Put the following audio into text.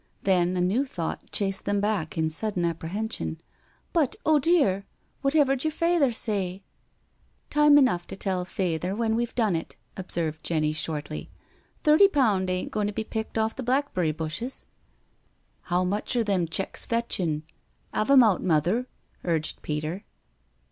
Then a new thought chased them back in sudden apprehension: "But, oh dear, whatever 'd yer fayther say?" " Time enough to tell Fayther when we've done it," observed Jenny shortly. " Thirty pound ain't goin' to be picked off the blackberry bushes.'^ " How much are them checks fetchin'? Have 'em out. Mother^" urged Peter.